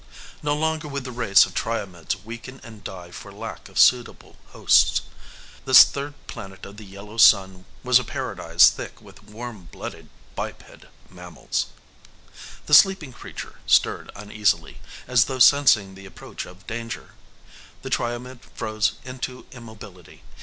No longer would the race of Triomeds weaken and die for lack of suitable hosts. This third planet of the yellow sun was a paradise thick with warm blooded biped mammals.... The sleeping creature stirred uneasily, as though sensing the approach of danger. The Triomed froze into immobility.